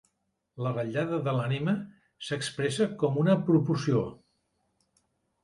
La ratllada de l'ànima s'expressa com una proporció.